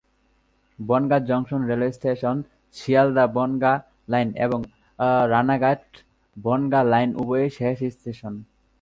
Bongaon junction railway station Sealdah Bangaon line এবং Ranaghat Bangaon line উভয়ের শেষ স্টেশন।